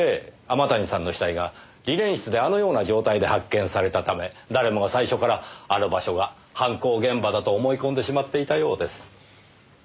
天谷さんの死体がリネン室であのような状態で発見されたため誰もが最初からあの場所が犯行現場だと思い込んでしまっていたようです。